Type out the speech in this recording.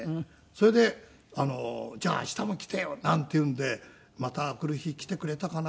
それで「じゃあ明日も来てよ」なんていうんでまた明くる日来てくれたかな。